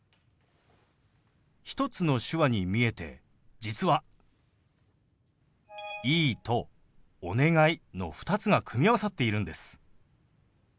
１つの手話に見えて実は「いい」と「お願い」の２つが組み合わさっているんです。